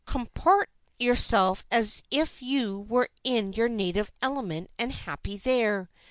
Comport yourself as if you were in your native element and happy there.